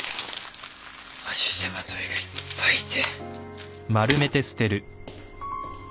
足手まといがいっぱいいて。